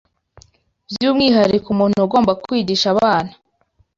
By’umwihariko ku muntu ugomba kwigisha abana